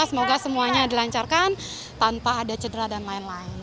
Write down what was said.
semoga semuanya dilancarkan tanpa ada cedera dan lain lain